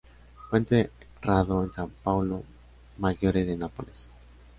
Fue enterrado en San Paolo Maggiore de Nápoles.